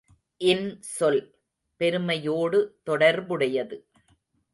இன்சொல், பெருமையோடு தொடர்புடையது.